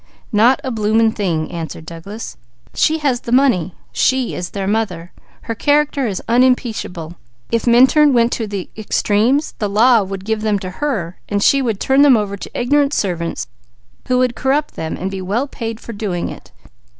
"Not a blooming thing!" answered Douglas. "She has the money. She is their mother. Her character is unimpeachable. If Minturn went to extremes, the law would give them to her; she would turn them over to ignorant servants who would corrupt them, and be well paid for doing it.